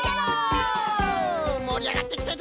もりあがってきたぞ！